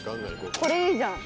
これいいじゃん。